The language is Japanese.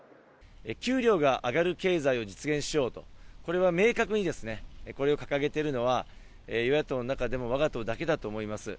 給料が上がる経済を実現しようと、これは明確にですね、これを掲げているのは、与野党の中でもわが党だけだと思います。